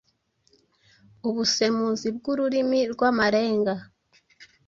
ubusemuzi bw’Ururimi rw’Amarenga,